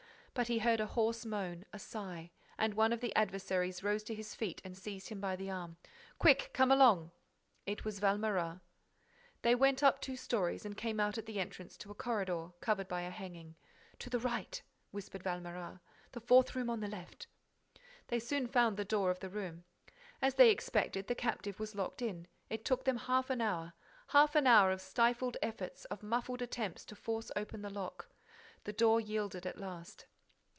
But he heard a hoarse moan, a sigh; and one of the adversaries rose to his feet and seized him by the arm: "Quick!—Come along!" It was Valméras. They went up two storys and came out at the entrance to a corridor, covered by a hanging. "To the right," whispered Valméras. "The fourth room on the left." They soon found the door of the room. As they expected, the captive was locked in. It took them half an hour, half an hour of stifled efforts, of muffled attempts, to force open the lock. The door yielded at last.